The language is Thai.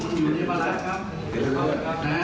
หรือล่าดีทำในช่วงสุธิ์และยิ่งของทัพ